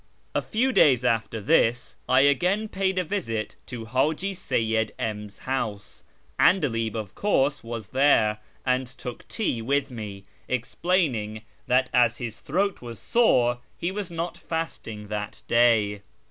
A few days after this I again paid a visit to Haji Seyyid M 's house. 'Andalib, of course, w^as there, and took tea with me, explaining that as his throat was sore he was not fasting that day.